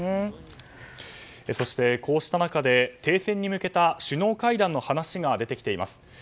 そして、こうした中で停戦に向けた首脳会談の話が出てきています。